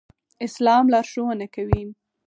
اسلام لارښوونه کوي